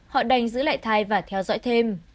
họ đành giữ lại thai và theo dõi thêm